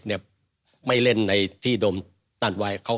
ก็เหมือนกับวันนี้